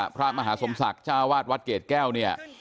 พระมหาสมศักดิ์จ้าวาดวัดเกรดแก้วเนี่ย